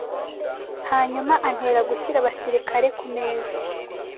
hanyuma antera gushyira abasirikare kumeza